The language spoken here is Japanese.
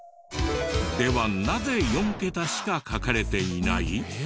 ではなぜ４桁しか書かれていない？